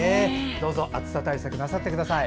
どうぞ暑さ対策なさってください。